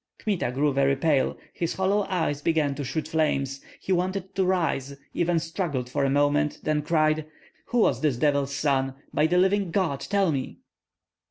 Kmita grew very pale; his hollow eyes began to shoot flames. He wanted to rise, even struggled for a moment; then cried, "Who was this devil's son? By the living God, tell me!"